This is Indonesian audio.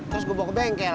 terus gue bawa ke bengkel